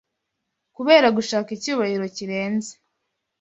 Kubera gushaka icyuhabiro kirenze